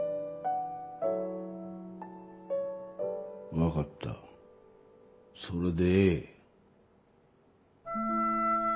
分かったそれでええ。